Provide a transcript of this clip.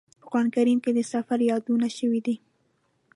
په قران کریم کې د سفر یادونه شوې ده.